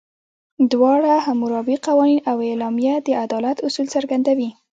دواړه، حموربي قوانین او اعلامیه، د عدالت اصول څرګندوي.